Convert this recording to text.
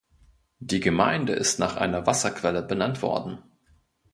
Die Gemeinde ist nach einer Wasserquelle benannt worden.